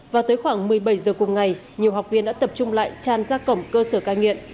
và tới khoảng một mươi bảy giờ cùng ngày nhiều học viên đã tập trung lại tràn ra cổng cơ sở cai nghiện